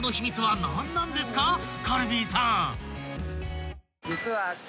［カルビーさん！］